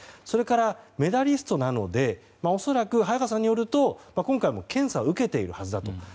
それから、メダリストなので早川さんによると、恐らく今回も検査を受けているはずだと。